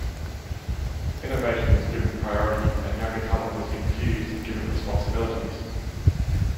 Innovation was given priority and younger talent was infused and given responsibilities.